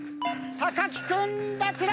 木君脱落！